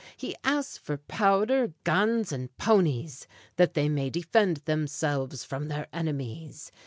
He asks for powder, guns, and ponies, that they may defend themselves from their enemies.